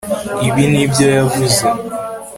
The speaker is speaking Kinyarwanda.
ibi nibyo yavuze